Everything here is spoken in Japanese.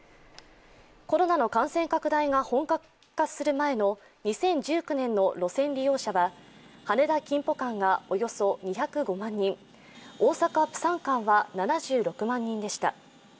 コロナの感染拡大が本格化する前の２０１９年の路線利用者は羽田−キンポ間がおよそ２０５万人、大阪−プサン間は７６万人でした。